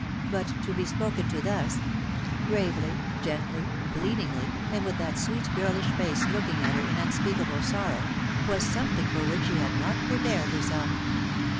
But to be spoken to thus — gravely, gently, pleadingly, and with that sweet girlish face looking at her in unspeakable sorrow — was something for which she had not prepared herself.